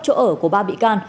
chỗ ở của ba bị can